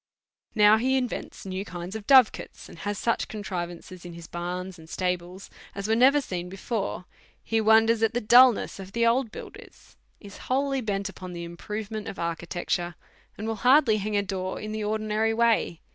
Now* he invents new kind of dove cots, and has such contrivances in his barns and stables as were never seen before ; he wonders at the dulness of the old builders, is wholly bent upon the improvement of architecture, and will hardly hang a door in the ordi nary way.